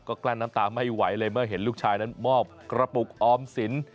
ก็กลั้นน้ำตาไม่ไหวเลยเมื่อเห็นลูกชายนั้นมอบกระปุกออมสิน